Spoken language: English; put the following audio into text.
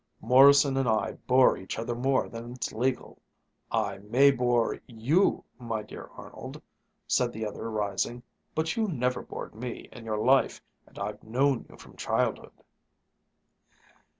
"Morrison and I bore each other more than's legal!" "I may bore you, my dear Arnold," said the other, rising, "but you never bored me in your life, and I've known you from childhood."